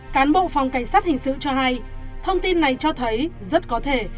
cán bộ phòng cảnh sát hình sự cho hay thông tin này cho thấy rất có thể